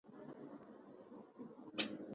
په طبیعي توګه تاسو نشئ کولای مخه ونیسئ.